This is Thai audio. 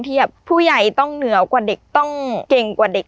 ผู้ใหญ่ต้องเหนือกว่าเด็กต้องเก่งกว่าเด็ก